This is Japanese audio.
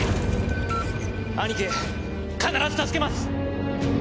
兄貴必ず助けます。